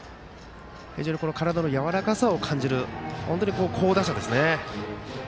非常に体のやわらかさを感じる本当に好打者ですね。